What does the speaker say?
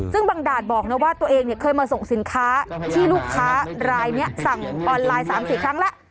ซึ่งบางด่านบอกนะว่าตัวเองเนี่ยเคยมาส่งสินค้าที่ลูกค้ารายนี้สั่งออนไลน์๓๔ครั้งแล้ว